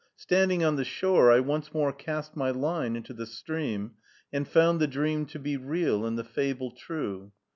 Standing on the shore, I once more cast my line into the stream, and found the dream to be real and the fable true.